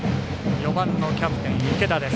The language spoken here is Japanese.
４番のキャプテン、池田です。